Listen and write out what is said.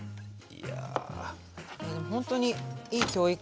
いやでもほんとにいい教育。